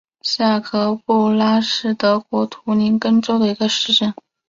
下格布拉是德国图林根州的一个市镇。